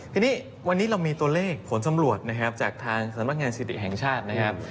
ทีนี้วันนี้เรามีตัวเลขผลสำรวจนะครับจากทางสำนักงานสถิติแห่งชาตินะครับ